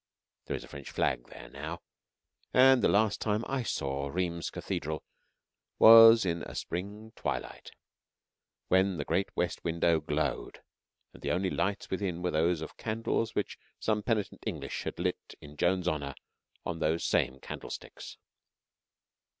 There is a French flag there now. [And the last time I saw Rheims Cathedral was in a spring twilight, when the great west window glowed, and the only lights within were those of candles which some penitent English had lit in Joan's honour on those same candlesticks.